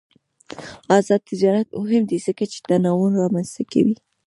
آزاد تجارت مهم دی ځکه چې تنوع رامنځته کوي.